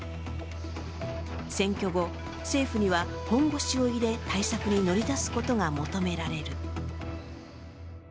選挙後、政府には本腰を入れ対策に乗り出すことが求められる。